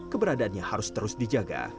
keberadaannya harus terus dijaga